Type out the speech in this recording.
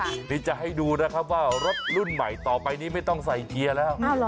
นี่จะให้ดูนะครับว่ารถรุ่นใหม่ต่อไปนี้ไม่ต้องใส่เกียร์แล้ว